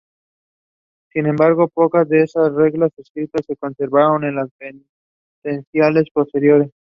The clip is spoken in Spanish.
Sin embargo, pocas de esas reglas escritas se conservaron en las penitenciales posteriores.